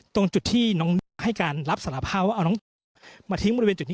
ตรงจุดที่น้องให้การรับสารพาวเอาน้องมาทิ้งบริเวณจุดนี้